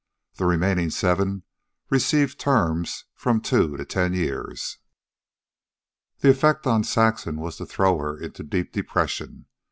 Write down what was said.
The remaining seven received terms of from two to ten years. The effect on Saxon was to throw her into deep depression.